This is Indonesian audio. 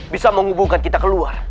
bisa menghubungkan kita keluar